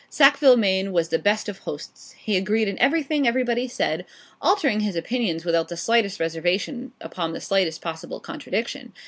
Sackville Maine was the best of hosts. He agreed in everything everybody said, altering his opinions without the slightest reservation upon the slightest possible contradiction.